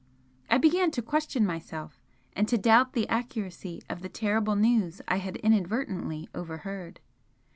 I began to question myself and to doubt the accuracy of the terrible news I had inadvertently overheard.